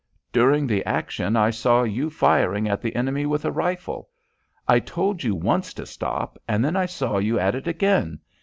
"During the action I saw you firing at the enemy with a rifle. I told you once to stop, and then I saw you at it again.